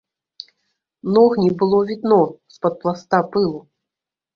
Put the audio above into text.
Ног не было відно з-пад пласта пылу.